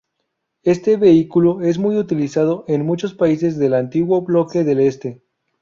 Este vehículo es muy utilizado en muchos países del antiguo Bloque del Este